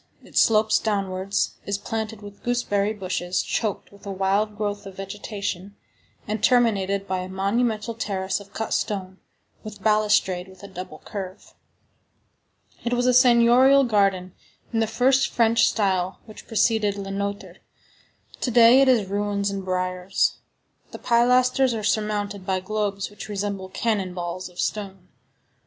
It slopes downwards, is planted with gooseberry bushes, choked with a wild growth of vegetation, and terminated by a monumental terrace of cut stone, with balustrade with a double curve. It was a seignorial garden in the first French style which preceded Le Nôtre; to day it is ruins and briars. The pilasters are surmounted by globes which resemble cannon balls of stone.